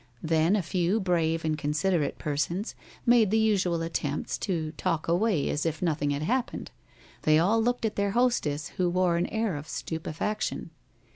Then a few brave and considerate persons made the usual attempt to talk away as if nothing had happened. They all looked at their hostess, who wore an air of stupefaction.